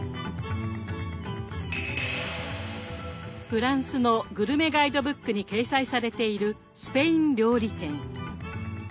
フランスのグルメガイドブックに掲載されているスペイン料理店。